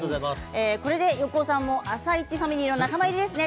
これで横尾さんも「あさイチ」ファミリーの仲間入りですね。